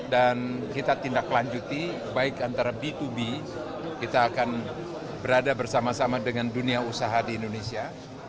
dan kita tindak lanjuti baik antara b dua b kita akan berada bersama sama dengan dunia usaha di indonesia